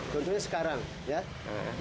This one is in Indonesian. contohnya sekarang ya